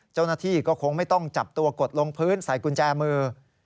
เจ้าหน้าที่ก็คงไม่ต้องจับตัวกดลงพื้นใส่กุญแจมือ